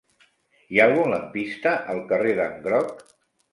Hi ha algun lampista al carrer d'en Groc?